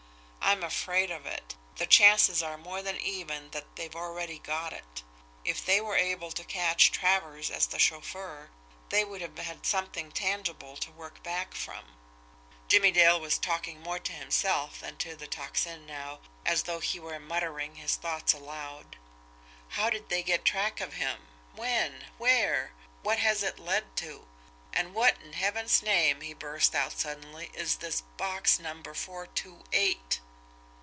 I'm afraid of it! The chances are more than even that they've already got it. If they were able to catch Travers as the chauffeur, they would have had something tangible to work back from" Jimmie Dale was talking more to himself than to the Tocsin now, as though he were muttering his thoughts aloud. "How did they get track of him? When? Where? What has it led to? And what in Heaven's name," he burst out suddenly, "is this box number four two eight!"